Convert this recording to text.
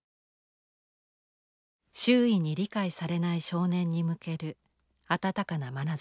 周囲に理解されない少年に向ける温かなまなざし。